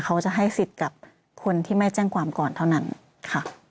เขาจะให้สิทธิ์กับคนที่ไม่แจ้งความก่อนเท่านั้นค่ะ